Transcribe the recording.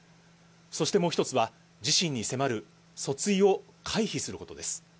そしてもう１つは、自身に迫る訴追をかいひすることです。